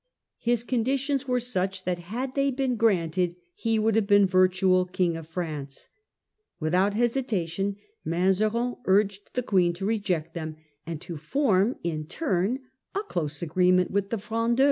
His conditions were such that, had they been granted, he would have been virtual King of France. Without hesitation Mazarin urged the Queen to reject them, and to form in turn a close agreement with the Fgondeurs.